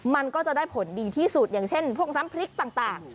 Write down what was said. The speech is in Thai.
มันก็จะได้ผลดีที่สุดอย่างเช่นพวกน้ำพริกต่าง